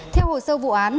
theo hồ sơ vụ án